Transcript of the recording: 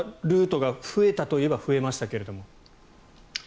ルートが増えたといえば増えましたけども。